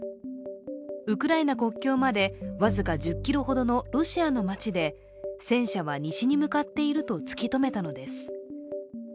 ウクライナ国境まで僅か１０ｋｍほどのロシアの町で戦車は西に向かっていると突き止めたのです。